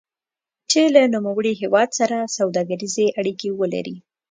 چې له نوموړي هېواد سره سوداګریزې اړیکې ولري.